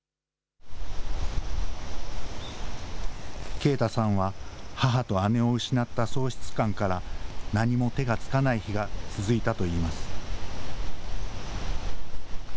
圭太さんは、母と姉を失った喪失感から、何も手がつかない日が続いたといいます。